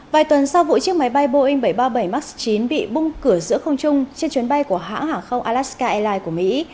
vài tuần sau vụ chiếc máy bay boeing bảy trăm ba mươi bảy max chín bị bung cửa giữa không trung trên chuyến bay của hãng hàng không alaska airlines của mỹ